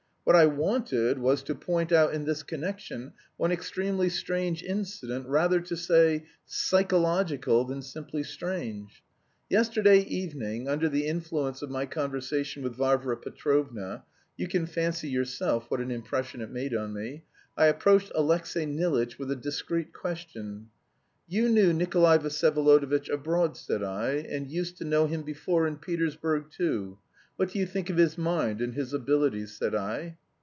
What I wanted was to point out in this connection one extremely strange incident, rather to say, psychological than simply strange. Yesterday evening, under the influence of my conversation with Varvara Petrovna you can fancy yourself what an impression it made on me I approached Alexey Nilitch with a discreet question: 'You knew Nikolay Vsyevolodovitch abroad,' said I, 'and used to know him before in Petersburg too. What do you think of his mind and his abilities?' said I.